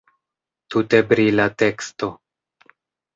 Tute brila teksto.